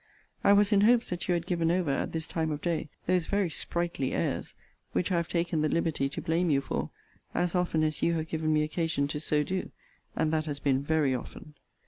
I was in hopes that you had given over, at this time of day, those very sprightly airs, which I have taken the liberty to blame you for, as often as you have given me occasion to so do; and that has been very often.